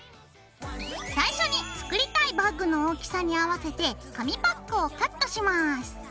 最初に作りたいバッグの大きさに合わせて紙パックをカットします。